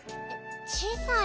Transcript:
小さい。